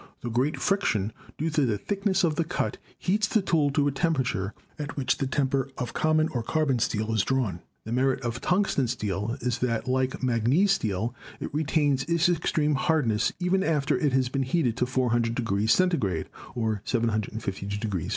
The great friction, due to the thickness of the cut, heats the tool to a temperature at which the temper of common or "carbon" steel is drawn. The merit of tungsten steel is that, like manganese steel, it retains its extreme hardness, even after it has been heated to 400 C. (752 F.).